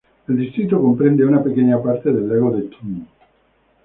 El distrito comprende una pequeña parte del lago de Thun.